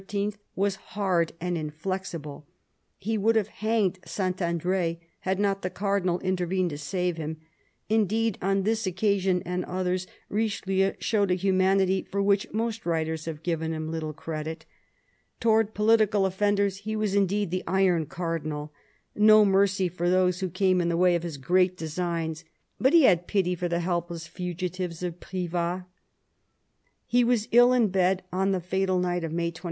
was hard and inflexible. He would have hanged St. Andr6, had not the Cardinal inter vened to save him. Indeed, on this occasion and others, Richelieu showed a humanity for which most writers have given him little credit. Towards political offenders he was indeed " the Iron Cardinal "— no mercy for those who came in the way of his great designs; but he had pity on the helpless fugitives of Privas. He was ill in bed on the fatal night of May 29.